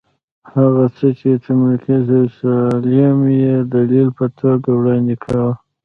هغه څه چې ټیلمکس او سلایم یې دلیل په توګه وړاندې کاوه.